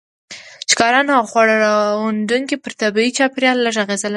ښکاریانو او خواړه راغونډوونکو پر طبيعي چاپیریال لږ اغېزه لرله.